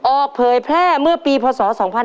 ออกเผยแพร่เมื่อปีพศ๒๕๖๑